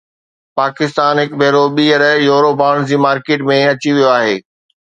پاڪستان هڪ ڀيرو ٻيهر يورو بانڊز جي مارڪيٽ ۾ اچي ويو آهي